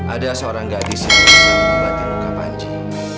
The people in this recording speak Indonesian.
ada seorang gadis yang bisa membati luka panji